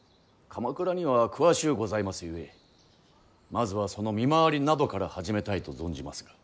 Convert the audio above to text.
鎌倉には詳しゅうございますゆえまずはその見回りなどから始めたいと存じますが。